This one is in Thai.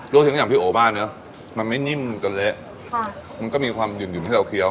ชิ้นน้ำอย่างพี่โอบ้านเนอะมันไม่นิ่มจนเละค่ะมันก็มีความหื่นให้เราเคี้ยว